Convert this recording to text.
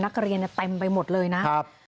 นักเรียนเต็มไปหมดเลยนะครับ